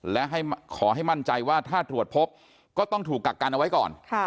และขอให้มั่นใจว่าถ้าตรวจพบก็ต้องถูกกักกันเอาไว้ก่อน